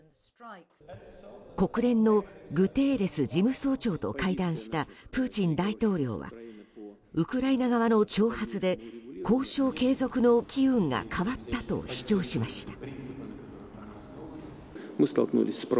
国連のグテーレス事務総長と会談したプーチン大統領はウクライナ側の挑発で交渉継続の機運が変わったと主張しました。